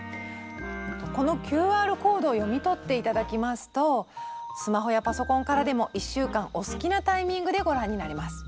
このＱＲコードを読み取って頂きますとスマホやパソコンからでも１週間お好きなタイミングでご覧になれます。